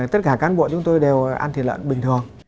tất cả cán bộ chúng tôi đều ăn thịt lợn bình thường